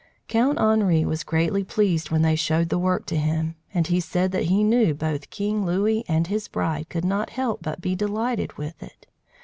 Count Henri was greatly pleased when they showed the work to him, and he said that he knew both King Louis and his bride could not help but be delighted with it.